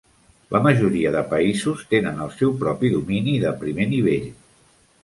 La majoria de països tenen el seu propi domini de primer nivell.